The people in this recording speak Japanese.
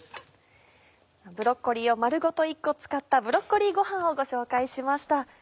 ブロッコリーを丸ごと１個使ったブロッコリーごはんをご紹介しました。